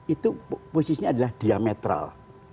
itu posisinya adalah diametral